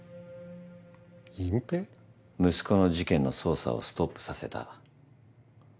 息子の事件の捜査をストップさせた。